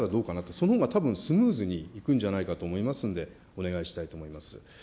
そのほうがたぶん、スムーズに行くんじゃないかと思いますので、お願いしたいと思います。